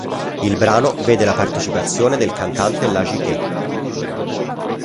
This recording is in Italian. Il brano vede la partecipazione del cantante Lagique.